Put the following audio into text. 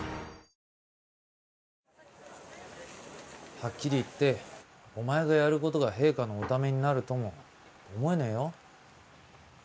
はっきり言ってお前がやることが陛下のおためになるとも思えねえよ